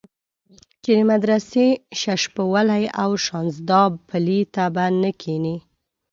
چې د مدرسې ششپولي او شانزدا پلي ته به نه کېنې.